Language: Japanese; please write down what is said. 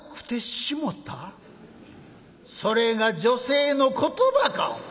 それが女性の言葉かお前。